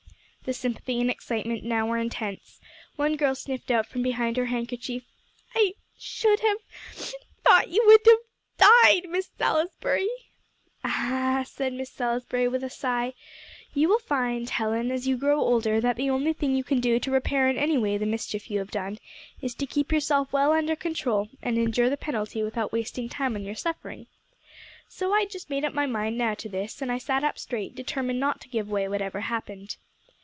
The sympathy and excitement now were intense. One girl sniffed out from behind her handkerchief, "I I should have thought you would have died Miss Salisbury." "Ah!" said Miss Salisbury, with a sigh, "you will find, Helen, as you grow older, that the only thing you can do to repair in any way the mischief you have done, is to keep yourself well under control, and endure the penalty without wasting time on your suffering. So I just made up my mind now to this; and I sat up straight, determined not to give way, whatever happened.